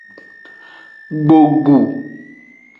Gbogbu.